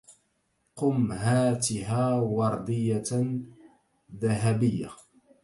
قم هاتها وردية ذهبية